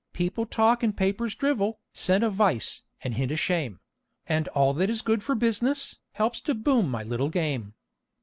People talk and papers drivel, scent a vice, and hint a shame; And all that is good for business, helps to boom my little game."